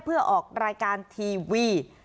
เพื่อออกรายการทีวี